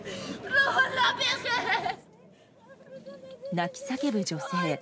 泣き叫ぶ女性。